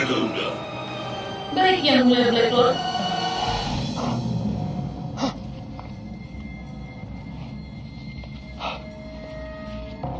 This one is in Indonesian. baik yang mulia black lord